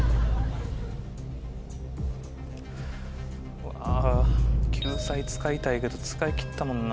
うわ救済使いたいけど使い切ったもんな。